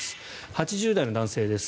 ８０代の男性です。